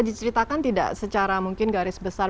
diceritakan tidak secara mungkin garis besar